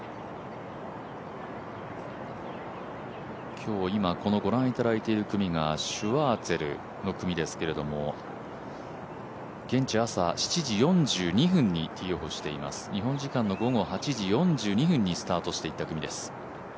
今日、今、ご覧いただいている組がシュワーツェルの組ですけど現地朝７時４２分、日本時間の午後８時４２分にスタートしていった組です。